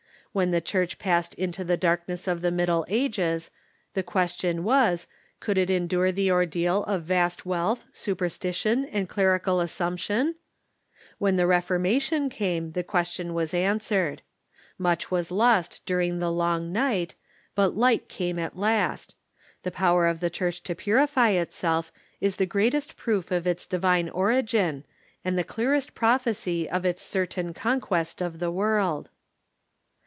When the Church passed into the darkness of the Middle Ages the question Avas, could it endure the ordeal of vast wealth, superstition, and clerical assumption ? When the Reformation came the question was answered. Much Avas lost during the long night, but light came at last. The ])o\ver of the Church to purify itself is the greatest proof of its divine origin, and the clearest prophecy of its certain conquest of the world.